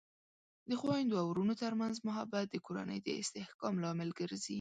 د خویندو او ورونو ترمنځ محبت د کورنۍ د استحکام لامل ګرځي.